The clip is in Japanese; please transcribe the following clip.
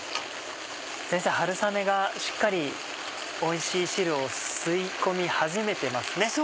先生春雨がしっかりおいしい汁を吸い込み始めてますね。